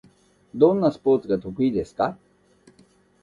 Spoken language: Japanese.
どんなスポーツが得意ですか？